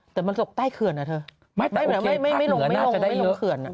แต่มันปลกใต้เขื่อนอย่างงั้นไม่ถึงลงเขื่อน